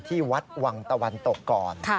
ที่วัดวังตะวันตกก่อน